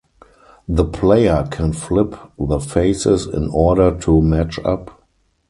The player can flip the faces in order to match up.